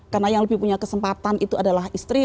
karena yang lebih punya kesempatan itu adalah istri